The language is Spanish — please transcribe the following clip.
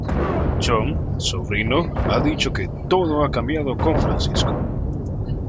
Jon Sobrino ha dicho que "todo ha cambiado con Francisco".